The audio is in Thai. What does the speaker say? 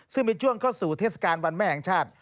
ซึ่งมีช่วงเข้าสู่เทศกาลวันแม่แห่งชาติ